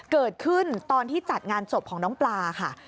เกิดขึ้นตอนที่จัดงานศพของน้องปลาค่ะ